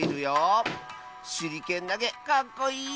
しゅりけんなげかっこいい！